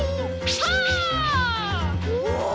お！